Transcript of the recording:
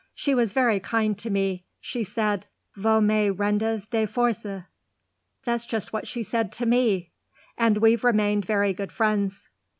"She was very kind to me. She said: 'Vous me rendez des forces.'" "That's just what she said to me!" "And we've remained very good friends."